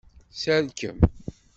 Serkem.